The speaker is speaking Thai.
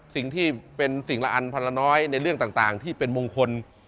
สิ่งที่เป็นสิ่งละอันพันละน้อยในเรื่องต่างที่เป็นมงคล